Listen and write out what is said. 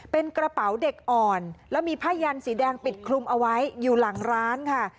เป็นกระเป๋าเด็กอ่อนแล้วมีผ้ายันสีแดงปิดคลุมเอาไว้อยู่หลังร้านค่ะ